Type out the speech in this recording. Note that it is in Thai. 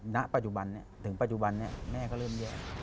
ณปัจจุบันถึงปัจจุบันนี้แม่ก็เริ่มแย่